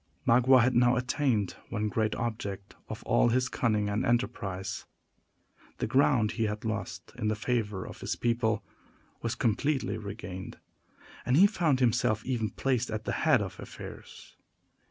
Magua had now attained one great object of all his cunning and enterprise. The ground he had lost in the favor of his people was completely regained, and he found himself even placed at the head of affairs.